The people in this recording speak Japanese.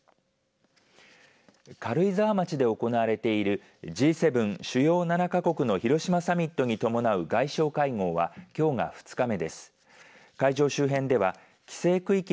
軽井沢町で行われているＧ７、主要７か国の広島サミットに伴い外相会合はきょうが２日目です。